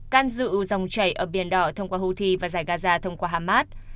can dự dòng chảy ở biển đỏ thông qua houthi và giải gaza thông qua hamas